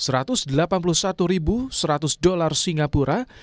rp satu ratus delapan puluh satu seratus dolar singapura